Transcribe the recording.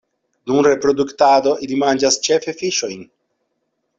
Dum reproduktado ili manĝas ĉefe fiŝojn.